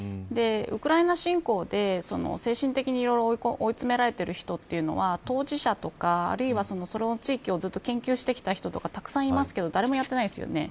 ウクライナ侵攻で精神的にいろいろ追い詰められてる人というのは当事者とか、あるいはその地域をずっと研究してきた人とかたくさんいますけど誰もやってないですよね。